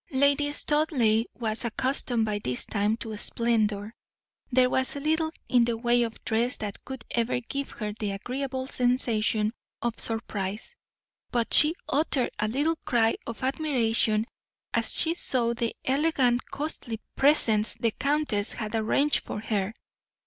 Lady Studleigh was accustomed by this time to splendor there was little in the way of dress that could ever give her the agreeable sensation of surprise; but she uttered a little cry of admiration as she saw the elegant costly presents the countess had arranged for her.